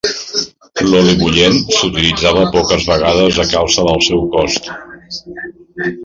L'oli bullent s'utilitzava poques vegades a causa del seu cost.